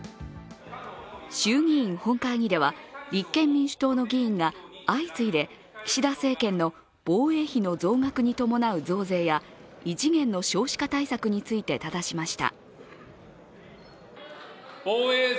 衆議院本会議では立憲民主党の議員が相次いで岸田政権の防衛費の増額に伴う増税や異次元の少子化対策について、ただしました。